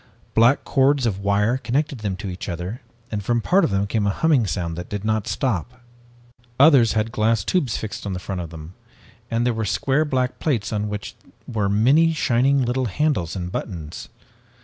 Black cords of wire connected them to each other and from part of them came a humming sound that did not stop. Others had glass tubes fixed on the front of them, and there were square black plates on which were many shining little handles and buttons.